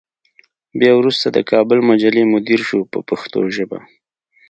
بیا وروسته د کابل مجلې مدیر شو په پښتو ژبه.